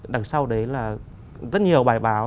đằng sau đấy là rất nhiều bài báo